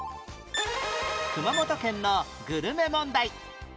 熊本県のグルメ問題